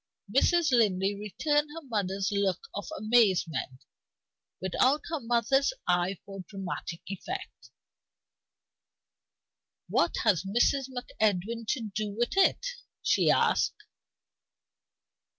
'" Mrs. Linley returned her mother's look of amazement, without her mother's eye for dramatic effect. "What has Mrs. MacEdwin to do with it?" she asked.